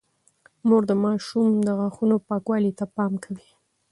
مور د ماشوم د غاښونو پاکوالي ته پام کوي۔